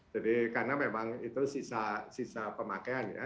jadi karena memang itu sisa pemakaian ya